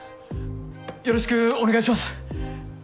よろしくお願いします。